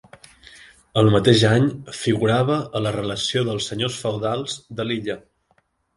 El mateix any figurava a la relació dels senyors feudals de l'illa.